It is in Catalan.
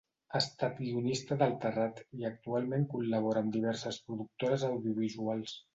Ha estat guionista d'El Terrat i actualment col·labora amb diverses productores audiovisuals.